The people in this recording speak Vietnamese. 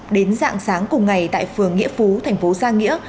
đến dạng sáng cùng ngày tại phường nghĩa phú tp gia nghĩa